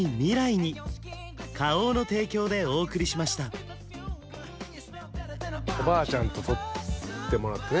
あうあっおっおばあちゃんと撮ってもらってね